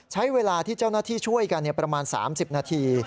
ใช้เวลาที่เจ้าหน้าที่ช่วยกันประมาณ๓๐นาที